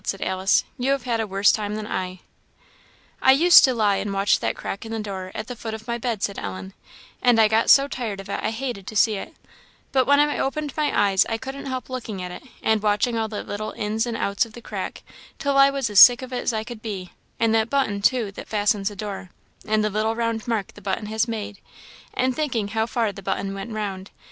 said Alice, "you have had a worse time than I." "I used to lie and watch that crack in the door, at the foot of my bed," said Ellen, "and I got so tired of it I hated to see it; but when I opened my eyes I couldn't help looking at it, and watching all the little ins and outs in the crack, till I was as sick of it as could be; and that button too, that fastens the door, and the little round mark the button has made, and thinking how far the button went round.